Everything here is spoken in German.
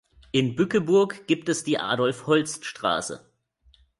In Bückeburg gibt es die Adolf-Holst-Straße.